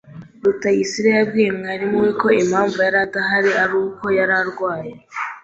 Rutayisire yabwiye mwarimu we ko impamvu yari adahari ari uko yari arwaye.